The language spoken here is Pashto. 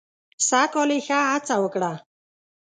سږ کال یې ښه هڅه وکړه.